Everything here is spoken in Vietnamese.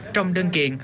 trong đơn kiện